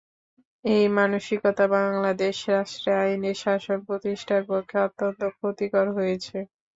এই মানসিকতা বাংলাদেশ রাষ্ট্রে আইনের শাসন প্রতিষ্ঠার পক্ষে অত্যন্ত ক্ষতিকর হয়েছে।